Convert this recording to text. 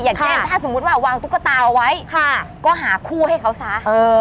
อย่างเช่นถ้าสมมุติว่าวางตุ๊กตาเอาไว้ก็หาคู่ให้เขาซะ